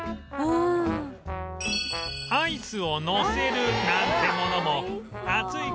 アイスをのせるなんてものも暑い